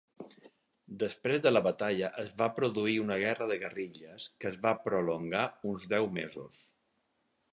Després de la batalla es va produir una guerra de guerrilles, que es va prolongar uns deu mesos.